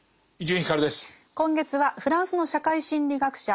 今月はフランスの社会心理学者